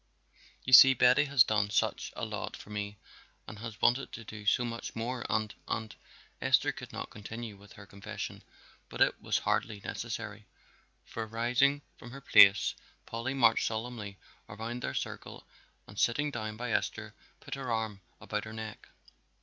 You see Betty has done such a lot for me and has wanted to do so much more and and " Esther could not continue with her confession, but it was hardly necessary, for rising from her place Polly marched solemnly around their circle and sitting down by Esther put her arm about her neck.